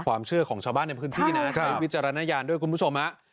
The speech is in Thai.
ความเชื่อของชาวบ้านในพื้นที่นะใช้วิจารณญาณด้วยคุณผู้ชมฮะ